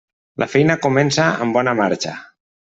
La feina comença amb bona marxa.